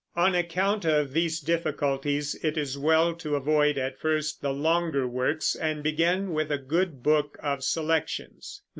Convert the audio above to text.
On account of these difficulties it is well to avoid at first the longer works and begin with a good book of selections.